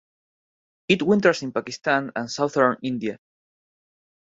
It winters in Pakistan and southern India.